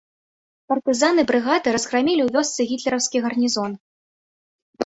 Партызаны брыгады разграмілі ў вёсцы гітлераўскі гарнізон.